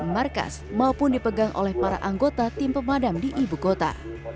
markas maupun dipegang oleh para anggota tim pemadam di ibu kota